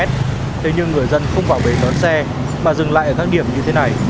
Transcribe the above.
thế nhưng người dân không vào bến đón xe mà dừng lại ở các điểm như thế này